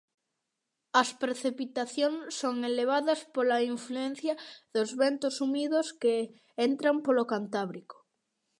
As precipitacións son elevadas pola influencia dos ventos húmidos que entran polo Cantábrico.